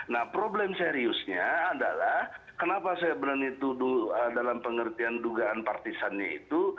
nah problem seriusnya adalah kenapa saya benar benar duduk dalam pengertian dugaan partisannya itu